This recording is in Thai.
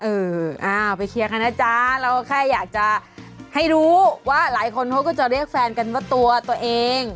เอออ้าวไปเคลียร์กันนะจ๊ะเราแค่อยากจะให้รู้ว่าหลายคนเขาก็จะเรียกแฟนกันว่าตัวตัวเอง